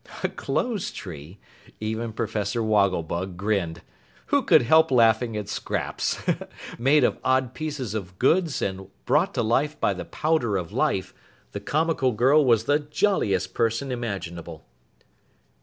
A clothes tree? Even Professor Wogglebug grinned. Who could help laughing at Scraps? Made of odd pieces of goods and brought to life by the powder of life, the comical girl was the jolliest person imaginable.